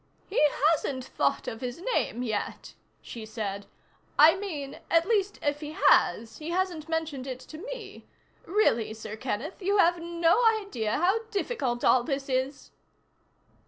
"He hasn't thought of his name yet," she said. "I mean, at least, if he has, he hasn't mentioned it to me. Really, Sir Kenneth, you have no idea how difficult all this is."